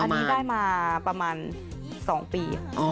อันนี้ได้มาประมาณ๒ปี